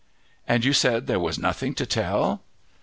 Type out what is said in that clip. "And you said there was nothing to tell!"